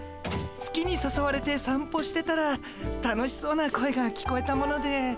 月にさそわれてさんぽしてたら楽しそうな声が聞こえたもので。